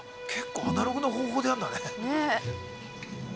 結構アナログな方法でやるんだね。